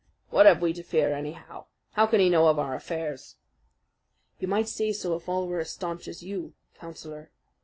"What have we to fear, anyhow? What can he know of our affairs?" "You might say so if all were as stanch as you, Councillor.